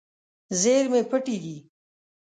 زیرمې پټې دي.